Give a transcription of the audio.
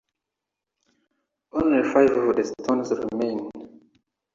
Only five of the stones remain.